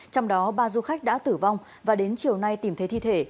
trong đó ba du khách đã tử vong và đến chiều nay tìm thấy thi thể